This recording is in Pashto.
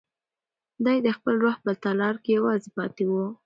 دی د خپل روح په تالار کې یوازې پاتې و.